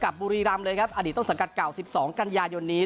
กับบุรีรำเลยครับอดีตต้องสังกัดเก่าสิบสองกันยายนนี้